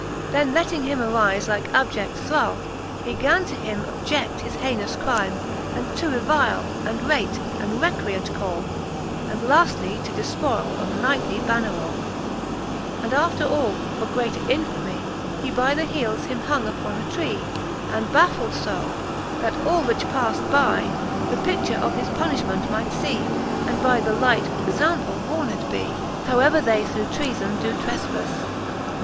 Then letting him arife like abjedl thrall, He gan to him objed his haynous crime, And to revile, and rate, and recreant call. And laftly to defpoyle of knightly bannerall. XXVn. And Canto Vir. the Faerie ^iueene, 309 XXVII. And after all, for greater infamie, He by the heeles him hung upon a tree, And baffuld fo, that all, which pafled by, The pidure of his punifhment might fee, And by the like enfample warned bee, How ever they through treafon doe trelpafle.